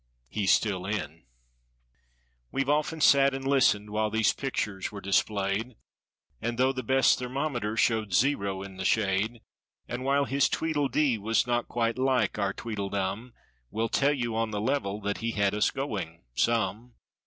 He's still in. We've often sat and listened while these pictures were displayed. And though the best thermometer, showed "zero" in the shade. And while his tweedledee was not quite like our tweedledum. We'll tell you on the level that he had us going some.